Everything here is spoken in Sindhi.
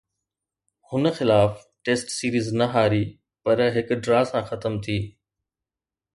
هن خلاف ٽيسٽ سيريز نه هاري، پر هڪ ڊرا سان ختم ٿي.